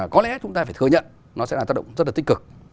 có lẽ chúng ta phải thừa nhận nó sẽ là tác động rất là tích cực